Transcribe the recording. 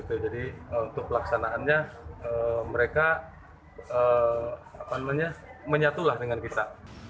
jadi untuk pelaksanaannya mereka menyatulah dengan kita